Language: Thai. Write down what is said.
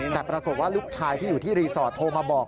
แต่ปรากฏว่าลูกชายที่อยู่ที่รีสอร์ทโทรมาบอก